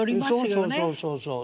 そうそうそうそう。